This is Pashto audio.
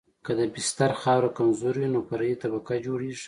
که د بستر خاوره کمزورې وي نو فرعي طبقه جوړیږي